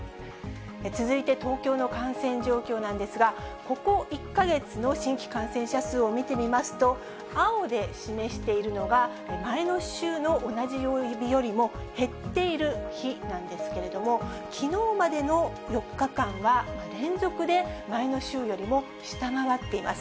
続いて東京の感染状況なんですが、ここ１か月の新規感染者数を見てみますと、青で示しているのが、前の週の同じ曜日よりも減っている日なんですけれども、きのうまでの４日間は、連続で前の週よりも下回っています。